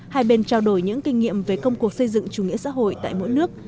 hai bên trao đổi những kinh nghiệm về công cuộc xây dựng chủ nghĩa xã hội tại mỗi nước